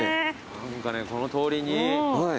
何かねこの通りに。